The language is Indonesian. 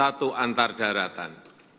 laut justru pemersatu antar daratan